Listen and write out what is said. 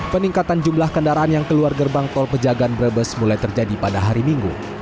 peningkatan jumlah kendaraan yang keluar gerbang tol pejagaan brebes mulai terjadi pada hari minggu